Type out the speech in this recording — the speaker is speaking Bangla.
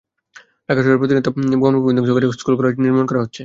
ঢাকা শহরে প্রতিনিয়ত বনভূমি ধ্বংস করে স্কুল, কলেজ, অফিস, বাসগৃহ নির্মাণ করা হচ্ছে।